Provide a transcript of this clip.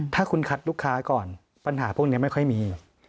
ถ้าคุณคัดลูกค้าก่อนปัญหาพวกนี้ไม่ค่อยมี